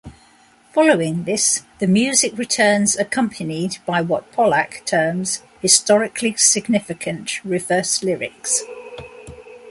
Following this, the music returns accompanied by what Pollack terms "historically significant" reverse lyrics.